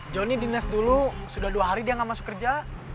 jonny di nes dulu sudah dua hari dia gak masuk kerja